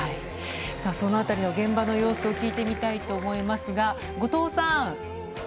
そのあたりの現場の様子を聞いてみたいと思いますが、後藤さん。